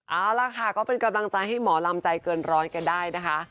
เอาล่ะค่ะก็เป็นกำลังใจให้หมอลำใจเกินร้อยกันได้นะคะ